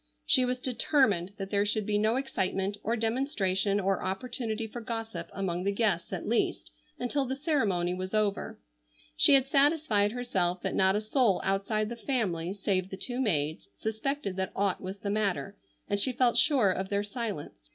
She was determined that there should be no excitement or demonstration or opportunity for gossip among the guests at least until the ceremony was over. She had satisfied herself that not a soul outside the family save the two maids suspected that aught was the matter, and she felt sure of their silence.